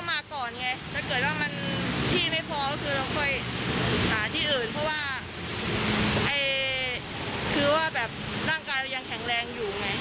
อ่าที่อื่นเพราะว่าคือว่าแบบร่างกายยังแข็งแรงอยู่ไหม